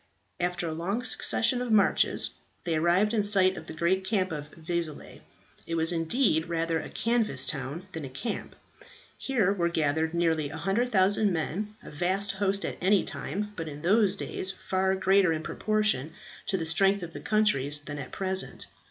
After a long succession of marches they arrived in sight of the great camp at Vezelay. It was indeed rather a canvas town than a camp. Here were gathered nearly 100,000 men, a vast host at any time, but in those days far greater in proportion to the strength of the countries than at present.